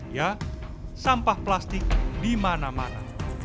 ya sampah plastik di mana mana